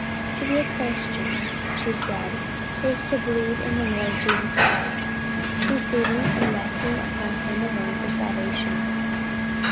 "To be a Christian," she said, "is to believe in the Lord Jesus Christ, receiving and resting upon him alone for salvation.